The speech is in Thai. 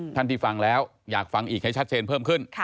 ท่านที่ฟังแล้วอยากฟังอีกให้ชัดเจนเพิ่มขึ้น